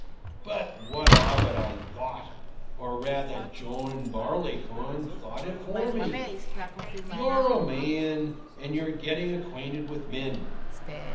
"But what of it?" I thought, or rather, John Barleycorn thought it for me. "You're a man and you're getting acquainted with men.